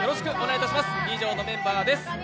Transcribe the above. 以上のメンバーです。